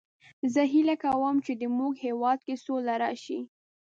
زه هیله کوم چې د مونږ هیواد کې سوله راشي